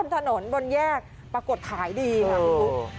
บนถนนบนแยกปรากฏขายดีค่ะ